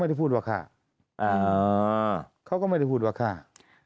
แต่ได้ยินจากคนอื่นแต่ได้ยินจากคนอื่น